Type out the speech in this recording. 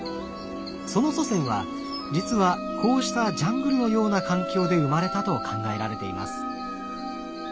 その祖先は実はこうしたジャングルのような環境で生まれたと考えられています。